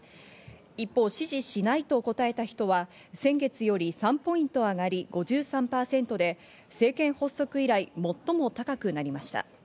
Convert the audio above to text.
一方、支持しないと答えた人は先月より３ポイント上がり、５３％で政権発足以来、最も高くなりました。